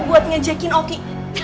buat ngejekin oki